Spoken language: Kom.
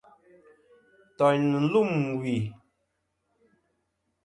Ntòyn nɨ̀n lûm wì.